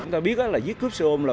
trước đó cũng vậy